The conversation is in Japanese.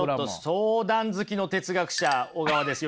相談好きの哲学者小川です。